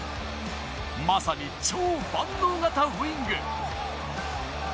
まさに超万能型ウイング。